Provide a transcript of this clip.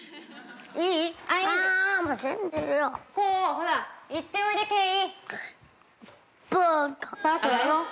ほら行っておいで慶！